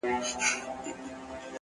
پرمختګ د کوچنیو بریاوو زنجیر دی